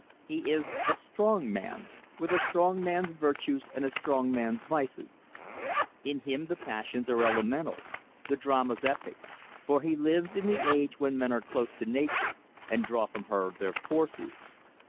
He is a strong man, with a strong man's virtues and a strong man's vices. In him the passions are elemental, the dramas epic, for he lives in the age when men are close to nature, and draw from her their forces.